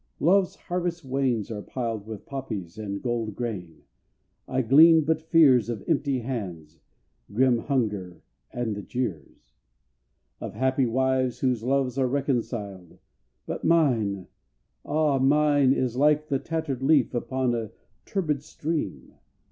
Love's harvest wains are piled With poppies and gold grain I glean but fears Of empty hands, grim hunger, and the jeers Of happy wives whose loves are reconciled. But mine! Ah, mine is like a tattered leaf Upon a turbid stream.